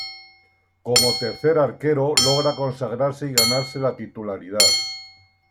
Como tercer arquero, logra consagrarse y ganarse la titularidad.